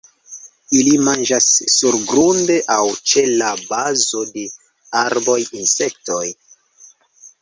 Ili manĝas surgrunde aŭ ĉe la bazo de arboj insektojn.